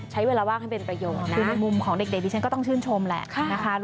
ใช้เวลาว่างให้เป็นประโยชน์นะคะ